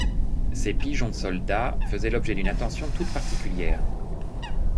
Ces pigeons-soldats faisaient l'objet d'une attention toute particulière.